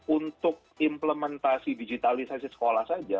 untuk implementasi digitalisasi sekolah saja